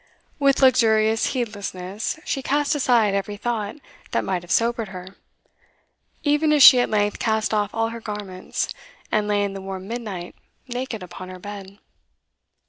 With luxurious heedlessness she cast aside every thought that might have sobered her; even as she at length cast off all her garments, and lay in the warm midnight naked upon her bed.